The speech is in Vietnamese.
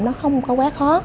nó không có quá khó